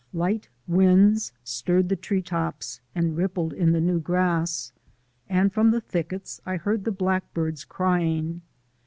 Light winds stirred the tree tops and rippled in the new grass; and from the thickets I heard the blackbirds crying.